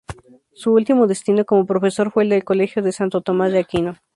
Su último destino como profesor fue el del colegio de Santo Tomás de Aquino.